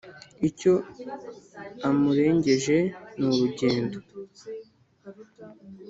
Icyo amurengeje ni uru rugendo,